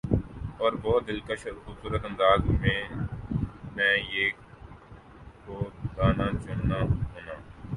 اور بَہُت دلکش اورخوبصورت انداز میں مَیں یِہ کو دانہ چننا ہونا